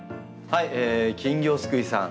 金魚すくいさん。